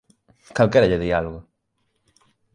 ¡Calquera lle di algo!